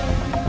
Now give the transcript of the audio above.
masa ini bapak